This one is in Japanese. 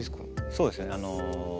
そうですね